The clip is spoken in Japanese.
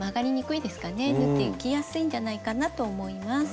縫っていきやすいんじゃないかなと思います。